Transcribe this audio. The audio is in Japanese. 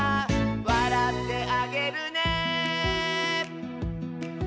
「わらってあげるね」